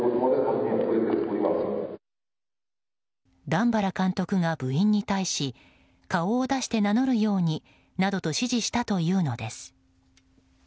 段原監督が部員に対し顔を出して名乗るようになどと指示したというのです。